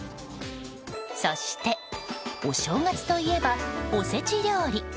そして、お正月といえばおせち料理。